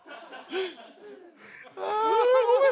ああ。ごめん！